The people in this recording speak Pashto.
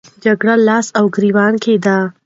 جګړه لاس او ګریوان کېده.